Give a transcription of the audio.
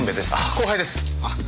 後輩です！